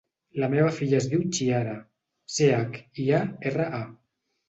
La meva filla es diu Chiara: ce, hac, i, a, erra, a.